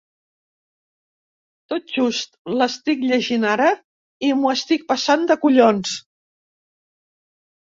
Tot just l'estic llegint ara i m'ho estic passant de collons.